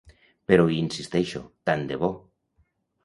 Però hi insisteixo, tant de bo!